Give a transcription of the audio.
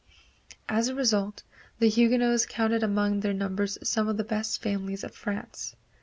As a result the Huguenots counted among their numbers some of the best families of France.